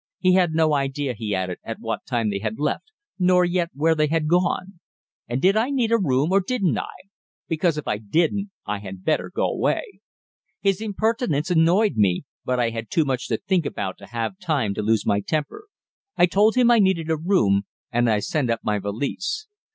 He had no idea, he added, at what time they had left, nor yet where they had gone and did I need a room, or didn't I? Because if I didn't I had better go away. His impertinence annoyed me, but I had too much to think about to have time to lose my temper. I told him I needed a room, and I sent up my valise.